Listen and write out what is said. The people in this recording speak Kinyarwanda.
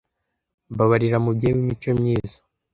Mbabarira mubyeyi w’imico myiza